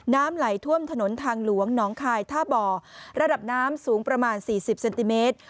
น้ำไหลท่วมถนนทางหลวงหนองคายท่าบ่อระดับน้ำสูงประมาณสี่สิบเซนติเมตร